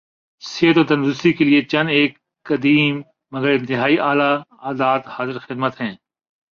صحت و تندرستی کیلئے چند ایک قدیم مگر انتہائی اعلی عادات حاضر خدمت ہیں